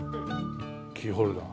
キーホルダー。